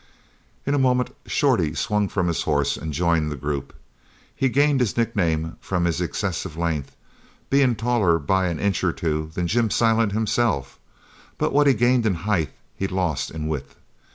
In a moment Shorty swung from his horse and joined the group. He gained his nickname from his excessive length, being taller by an inch or two than Jim Silent himself, but what he gained in height he lost in width.